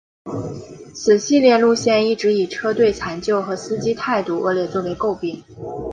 此系列路线一直以车队残旧和司机态度恶劣作为垢病。